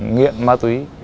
nghiện ma túy